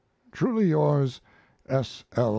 Truly yours, S. L.